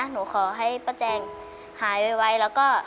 หนูขอให้ป้าแจงหายไวแล้วก็